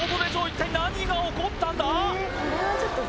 一体何が起こったんだ？